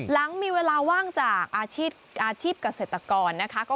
หลังมีเวลาว่างจากอาชีพเกษตรกรนะคะ